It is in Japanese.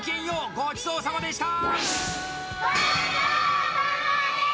ごちそうさまでした！